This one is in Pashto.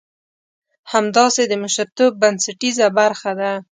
همداسې د مشرتوب بنسټيزه برخه ده.